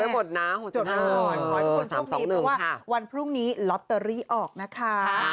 ไม่แน่จดออกค่ะวันพรุ่งนี้หรือว่าวันพรุ่งนี้ลอตเตอรี่ออกนะคะค่ะ